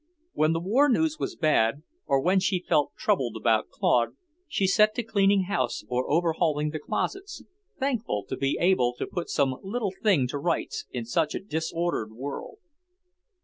When the war news was bad, or when she felt troubled about Claude, she set to cleaning house or overhauling the closets, thankful to be able to put some little thing to rights in such a disordered world.